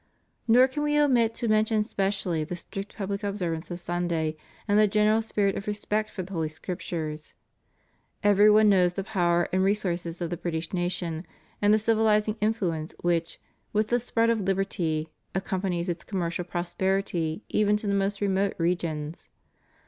Nor can We omit to mention specially the strict public observance of Sunday and the general spirit of respect for the Holy Scriptures. Every one knows the power and resources of the British nation and the civiliz ing influence which, with the spread of liberty, accom panies its commercial prosperity even to the most remote regions.